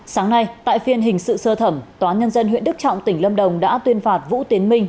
sáng nay tại phiên hình sự sơ thẩm tòa nhân dân huyện đức trọng tỉnh lâm đồng đã tuyên phạt vũ tiến minh